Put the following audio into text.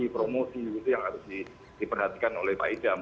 promosi itu yang harus diperhatikan oleh pak idam